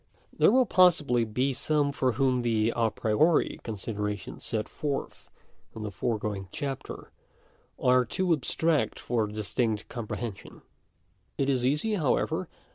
§ I There will possibly be some for whom the a priori consider* ations set forth in the foregoing chapter, are too abstract for distinct comprehension. It is easy, however